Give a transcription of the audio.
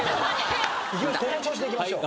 この調子でいきましょう。